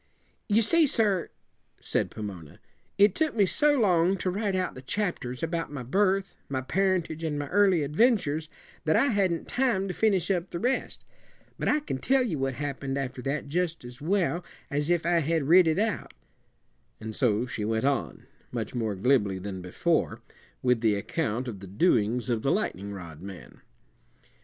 "You see, sir," said Pomona, "it took me so long to write out the chapters about my birth, my parentage, and my early adventures, that I hadn't time to finish up the rest. But I can tell you what happened after that jus' as well as if I had writ it out." And so she went on, much more glibly than before, with the account of the doings of the lightning rod man.